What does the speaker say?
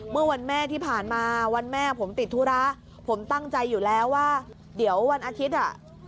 เมื่อวันแม่ที่ผ่านมาวันแม่ผมติดธุระผมตั้งใจอยู่แล้วว่าเดี๋ยววันอาทิตย์อ่ะ